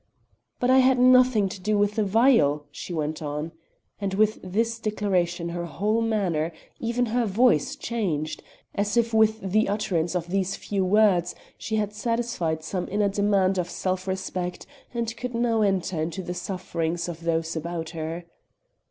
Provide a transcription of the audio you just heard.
"But I had nothing to do with the vial," she went on. And with this declaration her whole manner, even her voice changed, as if with the utterance of these few words she had satisfied some inner demand of self respect and could now enter into the sufferings of those about her.